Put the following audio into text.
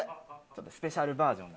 ちょっとスペシャルバージョン。